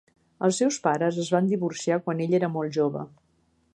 Els seus pares es van divorciar quan ell era molt jove.